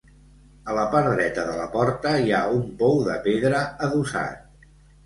A la part dreta de la porta hi ha un pou de pedra adossat.